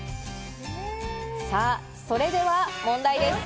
さぁ、それでは問題です。